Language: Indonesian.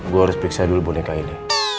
gue harus periksa dulu boneka ini